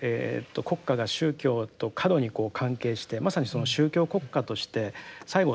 国家が宗教と過度にこう関係してまさにその宗教国家として最後戦争に入っていったと。